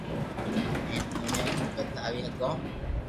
ھين او ني ودھاوي ھگو